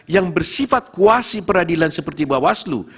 yang bersifat kuasi peradilan seperti bawaslu